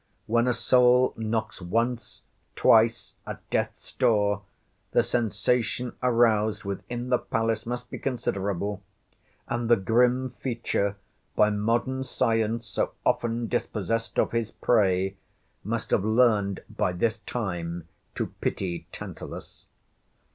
When a soul knocks once, twice, at death's door, the sensation aroused within the palace must be considerable; and the grim Feature, by modern science so often dispossessed of his prey, must have learned by this time to pity Tantalus.